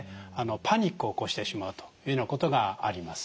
パニックを起こしてしまうというようなことがあります。